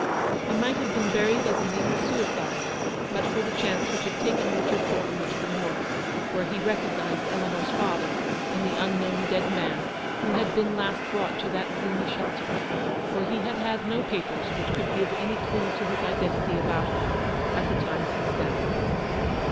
He might have been buried as a nameless suicide, but for the chance which had taken Richard Thornton to the Morgue, where he recognised Eleanor's father in the unknown dead man who had been last brought to that gloomy shelter ; for he had had no papers which could give any clue to his identity about him at the time of his death.